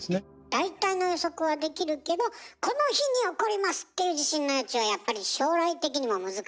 大体の予測はできるけどこの日に起こりますっていう地震の予知はやっぱり将来的にも難しいの？